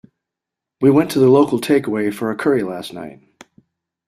We went to the local takeaway for a curry last night